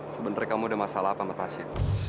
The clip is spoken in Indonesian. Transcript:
sebenernya kamu udah masalah apa sama tasya